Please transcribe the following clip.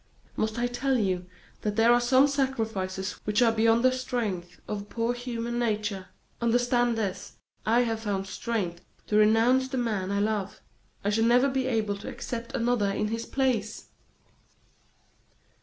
Must I tell you that there are some sacrifices which are beyond the strength of poor human nature? Understand this: I have found strength to renounce the man I love I shall never be able to accept another in his place!"